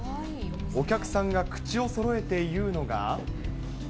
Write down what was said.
お客さんが口をそろえて言うのが。